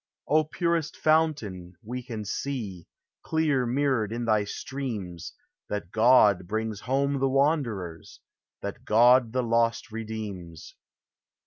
O purest fountain! we can see, clear mirrored in thy streams, That God brings home the wanderers, that God the lost redeems.